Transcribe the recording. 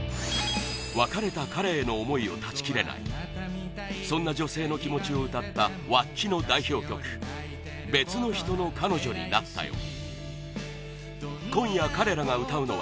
別れた彼への思いを断ち切れないそんな女性の気持ちを歌ったｗａｃｃｉの代表曲「別の人の彼女になったよ」